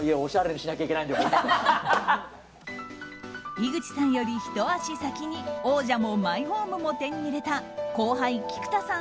井口さんよりひと足先に王者もマイホームも手に入れた後輩・菊田さん